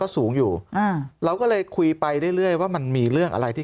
ก็สูงอยู่มันก็เลยคุยไปได้เรื่อยว่ามันมีเรื่องอะไรที่